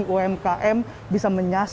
bahwasannya untuk mempercepat digitalisasi